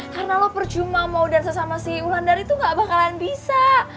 karena lo percuma mau dansa sama si ulan dari tuh gak bakalan bisa